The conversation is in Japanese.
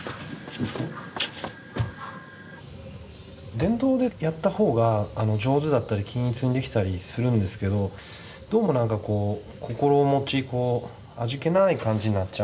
電動でやった方が上手だったり均一にできたりするんですけどどうも何かこう心持ちこう味気ない感じになっちゃうんですよね。